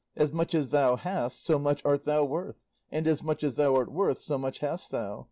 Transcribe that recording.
As much as thou hast so much art thou worth, and as much as thou art worth so much hast thou.